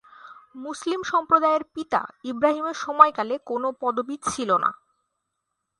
মুসলিম সম্প্রদায় এর পিতা ইব্রাহিমের সময়কালে কোন পদবি ছিলো না।